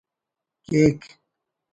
کیک